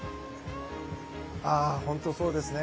本当にそうですね。